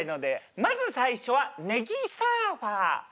まず最初はねぎサーファー。